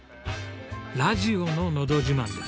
ラジオの「のど自慢」です。